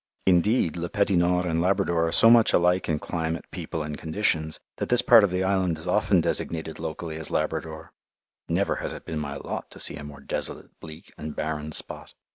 Indeed, Le Petit Nord and Labrador are so much alike in climate, people, and conditions that this part of the island is often designated locally as Labrador (never has it been my lot to see a more desolate, bleak, and barren spot).